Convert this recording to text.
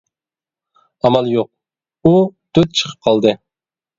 -ئامال يوق، ئۇ دۆت چىقىپ قالدى.